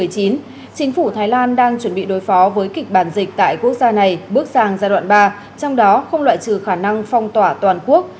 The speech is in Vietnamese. chính phủ thái lan đang chuẩn bị đối phó với kịch bản dịch tại quốc gia này bước sang giai đoạn ba trong đó không loại trừ khả năng phong tỏa toàn quốc